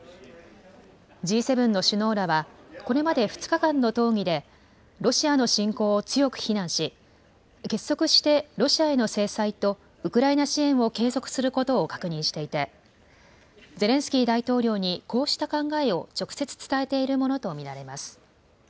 Ｇ７の首脳らは、これまで２日間の討議で、ロシアの侵攻を強く非難し、結束してロシアへの制裁とウクライナ支援を継続することを確認していて、ゼレンスキー大統領にこうした考えを直接伝えているものと見られます。